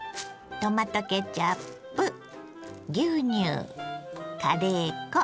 トマトケチャップ牛乳カレー粉。